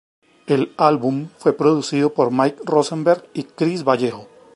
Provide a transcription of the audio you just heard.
El álbum fue producido por Mike Rosenberg y Chris Vallejo.